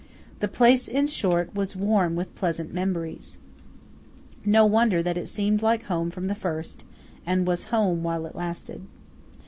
The place, in short, was warm with pleasant memories. No wonder that it seemed like home from the first; and was home, while it lasted.